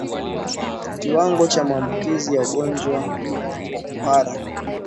Kiwango cha maambukizi ya ugonjwa wa kuhara